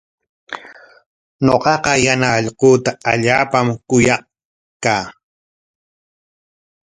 Ñuqaqa yana allquuta allaapam kuyaq kaa.